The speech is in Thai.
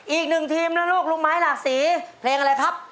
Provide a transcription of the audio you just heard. อีกหนึ่งทีมนะลูกลุงไม้หลากสีเพลงอะไรครับ